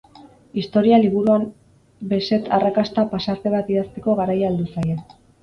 Historia liburuan beset arrakasta pasarte bat idazteko garaia heldu zaie.